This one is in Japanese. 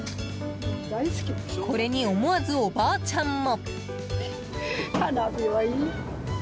これに思わず、おばあちゃんも。